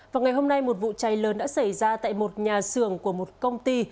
vào ngày hôm nay một vụ cháy lớn đã xảy ra tại một nhà xưởng của một công ty